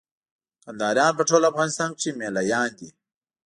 کندهاريان په ټول افغانستان کښي مېله يان دي.